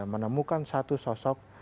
menemukan satu sosok